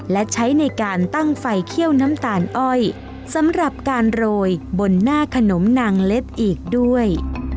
และใช้ในการตั้งไฟเขี้ยวน้ำตาลอ้อยสำหรับการโรยบนหน้าขนมนางเล็บอีกด้วย